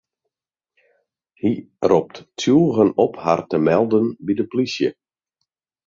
Hy ropt tsjûgen op har te melden by de plysje.